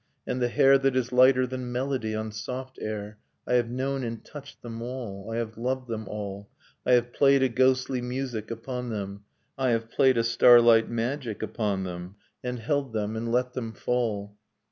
And the hair that is lighter than melody on soft air, I have known and touched them all, I have loved them all, I have played a ghostly music upon them, I have played a starlight magic upon them, and held them, and let them fall.